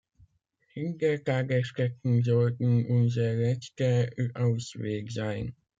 Kindertagesstätten sollten unser letzter Ausweg sein.